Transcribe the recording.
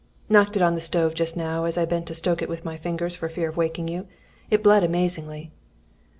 "Knocked it on the stove just now, as I bent to stoke it with my fingers, for fear of waking you. It bled amazingly."